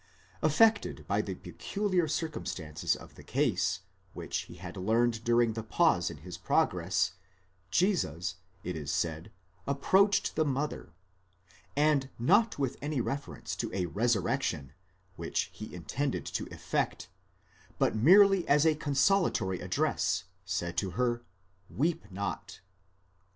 Affected by the peculiar circumstances of the case, which he had learned during the pause in his progress, Jesus, it is said, approached the mother, and not with any reference to a resurrection which he intended to effect, but merely as a consolatory address, said to her, Weep not.